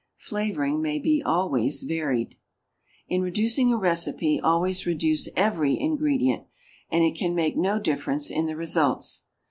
Flavoring may be always varied. In reducing a recipe always reduce every ingredient, and it can make no difference in the results.